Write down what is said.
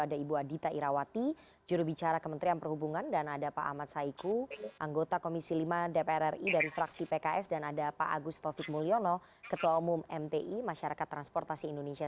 ada ibu adita irawati jurubicara kementerian perhubungan dan ada pak ahmad saiku anggota komisi lima dpr ri dari fraksi pks dan ada pak agus taufik mulyono ketua umum mti masyarakat transportasi indonesia